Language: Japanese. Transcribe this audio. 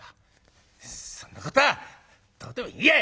「そんなことはどうでもいいやい！」。